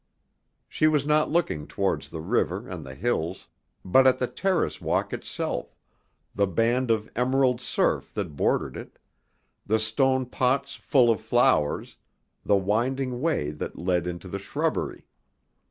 She was not looking towards the river and the hills, but at the terrace walk itself, the band of emerald turf that bordered it, the stone pots full of flowers, the winding way that led into the shrubbery.